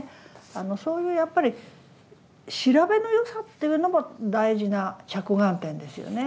そういうやっぱり調べのよさっていうのも大事な着眼点ですよね。